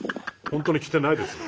本当にきてないんですか？」